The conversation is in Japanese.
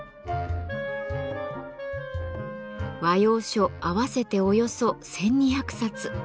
和洋書合わせておよそ１，２００冊。